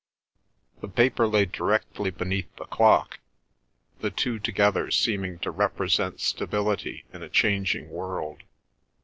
The paper lay directly beneath the clock, the two together seeming to represent stability in a changing world.